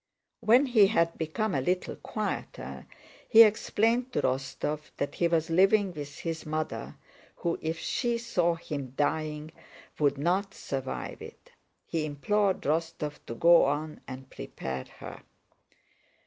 When he had become a little quieter, he explained to Rostóv that he was living with his mother, who, if she saw him dying, would not survive it. He implored Rostóv to go on and prepare her.